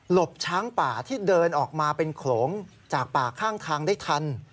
บช้างป่าที่เดินออกมาเป็นโขลงจากป่าข้างทางได้ทัน